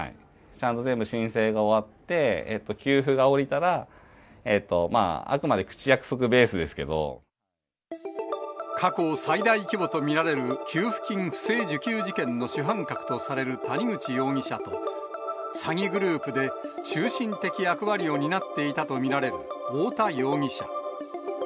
ちゃんと全部申請が終わって、給付が下りたら、過去最大規模と見られる、給付金不正受給事件の主犯格とされる谷口容疑者と、詐欺グループで中心的役割を担っていたと見られる太田容疑者。